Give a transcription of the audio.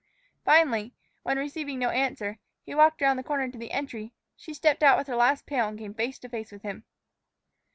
Finally, when, receiving no answer, he walked around the corner to the entry, she stepped out with her last pail and came face to face with him.